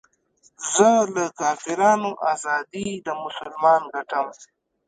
زه له کافرانو ازادي د مسلمان ګټم